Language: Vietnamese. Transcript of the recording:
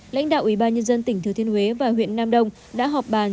lãnh đạo ủy ban nhân dân tỉnh thừa thiên huế và huyện nam đông đã họp bàn